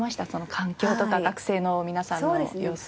環境とか学生の皆さんの様子。